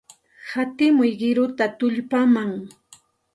Hatimuy qiruta tullpaman.